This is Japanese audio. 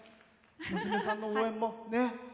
娘さんの応援も。